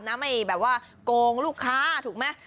น้ำไมคือกงลูกค้าถูกมั้ย